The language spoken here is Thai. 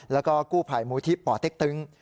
แล้วก็กู้ภัยมูลที่ป่อเต็กตึง